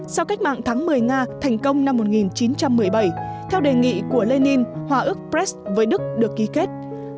sau cách mạng tháng một mươi nga thành công năm một nghìn chín trăm một mươi bảy theo đề nghị của lenin hòa ước brex với đức được ký kết